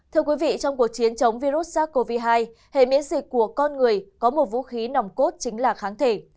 thưa quý vị trong cuộc chiến chống virus sars cov hai hệ miễn dịch của con người có một vũ khí nòng cốt chính là kháng thể